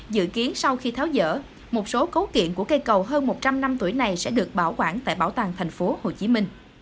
dự kiến sau khi tháo dỡ một số cấu kiện của cây cầu hơn một trăm linh năm tuổi này sẽ được bảo quản tại bảo tàng tp hcm